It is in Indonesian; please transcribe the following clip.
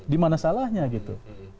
di mana salahnya gitu